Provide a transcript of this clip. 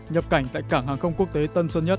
nhập cảnh tại cảng hàng không quốc tế tân sơn nhất